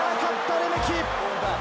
レメキ！